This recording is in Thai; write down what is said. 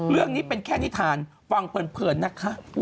เรื่องนี้เป็นแค่นิทานฟังเผินนะคะ